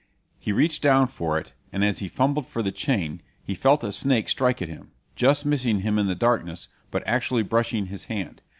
He reached down for it, and as he fumbled for the chain he felt a snake strike at him, just missing him in the darkness, but actually brushing his hand.